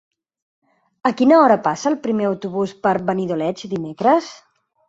A quina hora passa el primer autobús per Benidoleig dimecres?